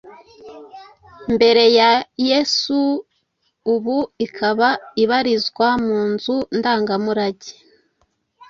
mbere ya Yesuubu ikaba ibarizwa mu nzu ndangamurage